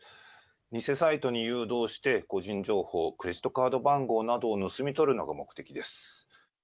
偽サイトに誘導して、個人情報、クレジットカード番号などを盗み取るのが目的です。